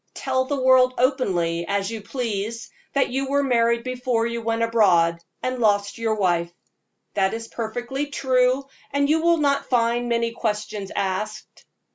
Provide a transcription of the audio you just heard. Tell the world openly, as you please, that you were married before you went abroad, and lost your wife. That is perfectly true, and you will not find many questions asked.